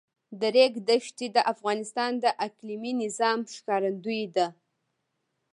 د ریګ دښتې د افغانستان د اقلیمي نظام ښکارندوی ده.